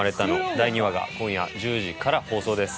第２話が今夜１０時から放送です。